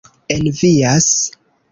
envias